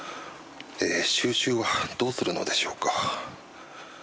収集はどうするのでしょうか。